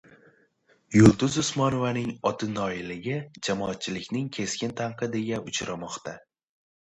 Yulduz Usmonovaning «otinoyi»ligi jamoatchilikning keskin tanqidiga uchramoqda